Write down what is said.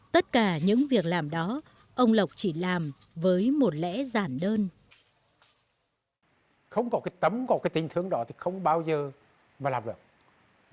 tất cả những việc làm đó ông lộc chỉ làm với một lẽ giản đơn